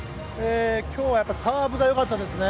今日はサーブがよかったですね。